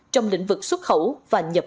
trong lĩnh vực xuất khẩu và nhập khẩu